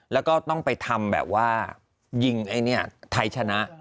แล้วก็ต้องไปทำแบบว่ายิงไอ้เนี่ยไทยชนะ